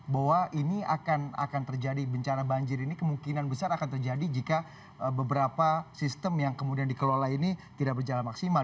bahwa ini akan terjadi bencana banjir ini kemungkinan besar akan terjadi jika beberapa sistem yang kemudian dikelola ini tidak berjalan maksimal